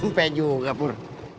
sampai juga pur